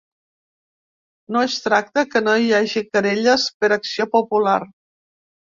No es tracta que no hi hagi querelles per acció popular.